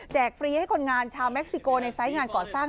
ฟรีให้คนงานชาวเม็กซิโกในไซส์งานก่อสร้าง